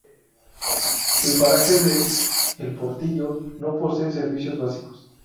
El paraje de El Portillo no posee servicios básicos.